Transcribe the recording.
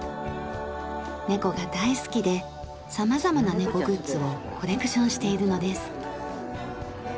猫が大好きでさまざまな猫グッズをコレクションしているのです。